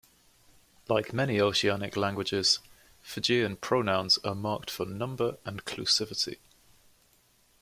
Like many Oceanic languages, Fijian pronouns are marked for number and clusivity.